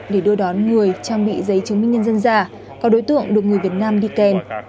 để đưa đón người trang bị giấy chứng minh nhân dân già các đối tượng được người việt nam đi kèn